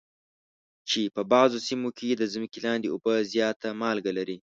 چې په بعضو سیمو کې د ځمکې لاندې اوبه زیاته مالګه لري.